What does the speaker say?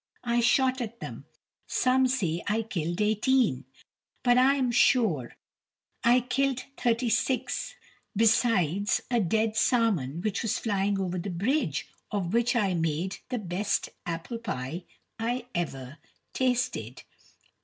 I shot at them; some say I killed eighteen; but I am sure I killed thirty six, besides a dead salmon which was flying over the bridge, of which I made the best apple pie I ever tasted.